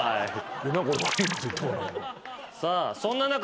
さあそんな中。